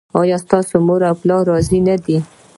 ایا ستاسو مور او پلار راضي نه دي؟